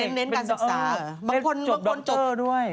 เป็นเน้นการศึกษาเหรอเออมีคนจบดอกเตอร์ด้วย